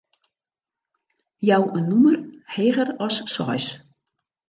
Jou in nûmer heger as seis.